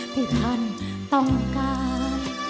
ที่ท่านต้องการ